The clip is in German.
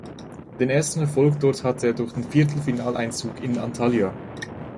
Den ersten Erfolg dort hatte er durch den Viertelfinaleinzug in Antalya.